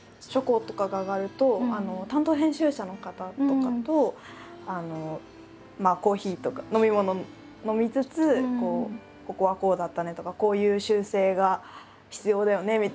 初稿とかが上がると担当編集者の方とかとコーヒーとか飲み物を飲みつつ「ここはこうだったね」とか「こういう修正が必要だよね」